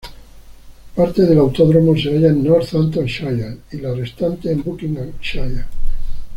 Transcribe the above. Parte del autódromo se halla en Northamptonshire y la restante en Buckinghamshire.